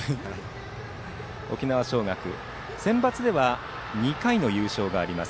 沖縄尚学、センバツでは２回の優勝があります。